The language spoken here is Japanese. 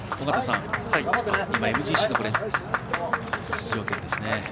ＭＧＣの出場権ですね。